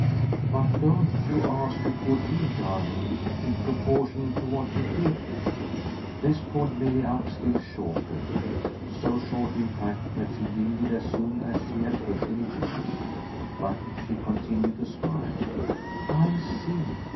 "But don't you ask a good deal, darling, in proportion to what you give?" This pulled Milly up still shorter so short in fact that she yielded as soon as she had taken it in. But she continued to smile. "I see.